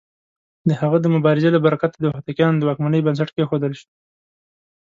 د هغه د مبارزې له برکته د هوتکيانو د واکمنۍ بنسټ کېښودل شو.